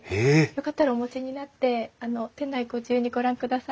よかったらお持ちになって店内ご自由にご覧ください。